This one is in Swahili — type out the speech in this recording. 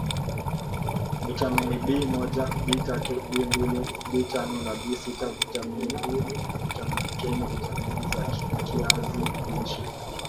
vitamini B moja B tatu Bmbili B tano B sita vitamini E na vitamini K ni vitamini za kiazi lishe